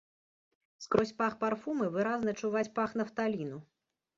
Скрозь пах парфумы выразна чуваць пах нафталіну.